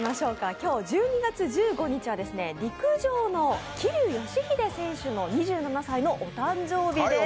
今日１２月１５日は陸上の桐生祥秀選手の２７歳のお誕生日です。